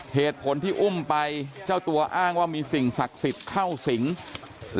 เหตุผลที่อุ้มไปเจ้าตัวอ้างว่ามีสิ่งศักดิ์สิทธิ์เข้าสิง